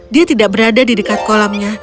dia tidak berada di dekat kolamnya